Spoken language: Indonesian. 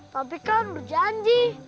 tapi kan berjanji